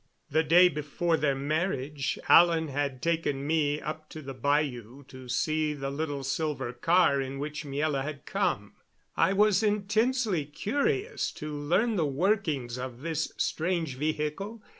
The day before their marriage Alan had taken me up the bayou to see the little silver car in which Miela had come. I was intensely curious to learn the workings of this strange vehicle.